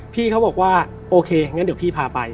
พี่เขาบอกว่าโอเคงั้นเดี๋ยวพี่พาไป